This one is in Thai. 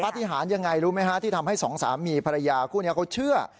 ปฏิหารยังไงรู้ไหมฮะที่ทำให้สองสามีภรรยาคู่นี้เขาเชื่อ